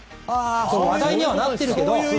話題にはなっているけど。